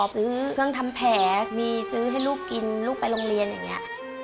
ซื้อเครื่องทำแผลมีซื้อให้ลูกกินลูกไปโรงเรียนอย่างนี้